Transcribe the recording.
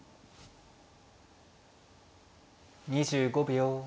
２５秒。